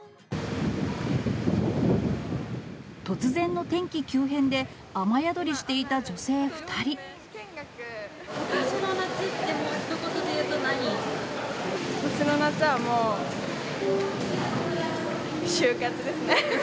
突然の天気急変で、雨宿りしことしの夏ってひと言で言うことしの夏は、もう、就活ですね。